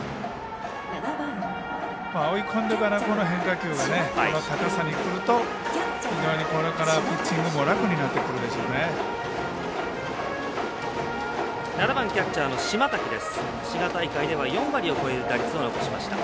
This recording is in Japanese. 追い込んでからのこの変化球が今の高さにくると非常にこれからピッチングも楽になってくるでしょうね。